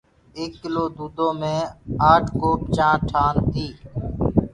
ايڪ ڪلو دودو مي آٺ ڪوپ چآنٚه ٺآن تي